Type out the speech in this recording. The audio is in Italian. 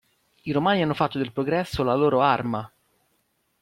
I romani hanno fatto del progresso la loro arma!